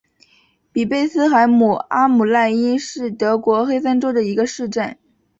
比贝斯海姆阿姆赖因是德国黑森州的一个市镇。